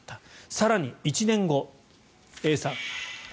更に１年後、Ａさん